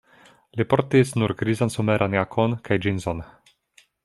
Li portis nur grizan someran jakon kaj ĝinzon.